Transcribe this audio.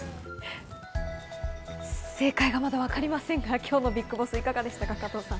正解がまだ分かりませんが、今日のＢＩＧＢＯＳＳいかがでしたか？